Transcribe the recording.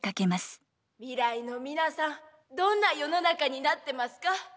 未来の皆さんどんな世の中になってますか？